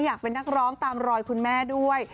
อยากเป็นนักร้องตามรอยคุณแม่ด้วย